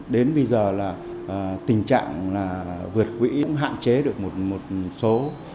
đến bây giờ là tình trạng là vượt quỹ cũng hạn chế được một số